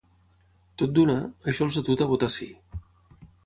Tot d’una, això els ha dut a votar sí.